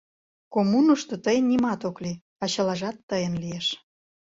Коммунышто тыйын нимат ок лий, а чылажат тыйын лиеш...